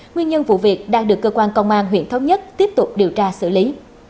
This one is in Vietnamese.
nguyên nhân vụ việc đang được cơ quan công an huyện thống nhất tiếp tục điều tra xử lý